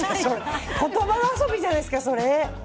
言葉遊びじゃないですか、それ。